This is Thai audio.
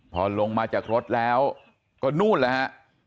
พอลงมาจากรถแล้วก็นู่นแล้วฮะ